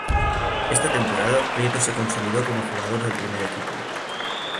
En esta temporada Prieto se consolidó como jugador del primer equipo.